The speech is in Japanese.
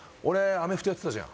アメフトやってたじゃん